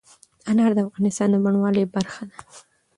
انار د افغانستان د بڼوالۍ برخه ده.